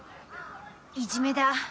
いじめだ。